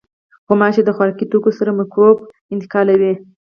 غوماشې د خوراکي توکو سره مکروب انتقالوي.